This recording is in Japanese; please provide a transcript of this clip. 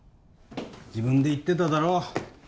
自分で言ってただろ？